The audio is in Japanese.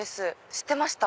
知ってました？